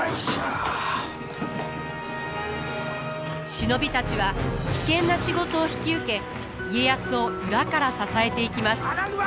忍びたちは危険な仕事を引き受け家康を裏から支えていきます。